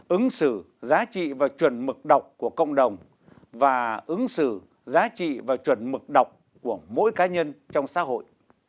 ứng xử giá trị và chuẩn mực đọc của cộng đồng và ứng xử giá trị và chuẩn mực đọc của mỗi cá nhân trong xã hội